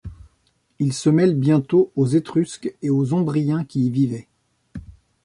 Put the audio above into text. Ils se mêlent bientôt aux Etrusques et aux Ombriens qui y vivaient.